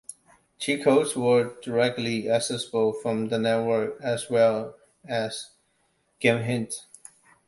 Cheat codes were directly accessible from the network, as well as game hints.